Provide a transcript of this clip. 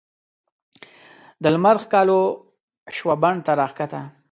د لمر ښکالو شوه بڼ ته راکښته